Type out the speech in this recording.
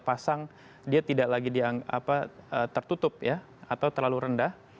pasang dia tidak lagi tertutup ya atau terlalu rendah